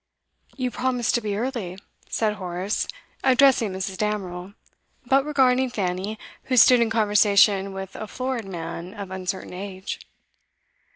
'You promised to be early,' said Horace, addressing Mrs. Damerel, but regarding Fanny, who stood in conversation with a florid man of uncertain age.